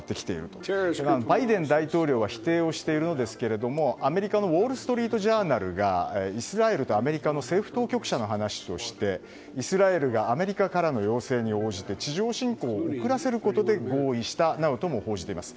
そしてバイデン大統領は否定していますがアメリカのウォール・ストリート・ジャーナルがイスラエルとアメリカの政府当局者の話として、イスラエルがアメリカからの要請に応じて地上侵攻を遅らせることで合意したなどとも報じています。